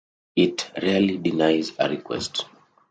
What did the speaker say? It rarely denies a request.